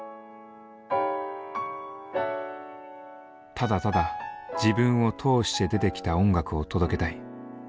ただただ自分を通して出てきた音楽を届けたい。